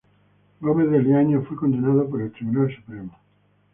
Gómez de Liaño fue condenado por el Tribunal Supremo.